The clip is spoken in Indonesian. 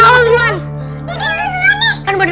tunggu tunggu tunggu